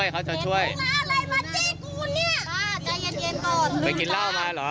ผมไม่ได้ห่วงกลัว